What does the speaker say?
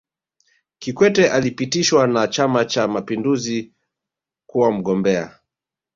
kikwete alipitishwa na chama cha mapinduzi kuwa mgombea